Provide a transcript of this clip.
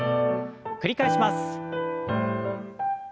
繰り返します。